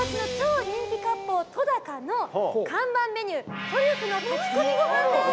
とだかの看板メニュートリュフの炊き込みご飯です！